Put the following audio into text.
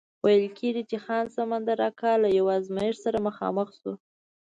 ویل کېږي چې خان سمندر اکا له یو ازمایښت سره مخامخ شو.